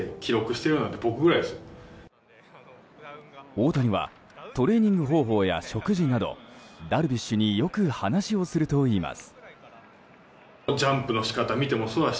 大谷はトレーニング方法や食事などダルビッシュによく話をするといいます。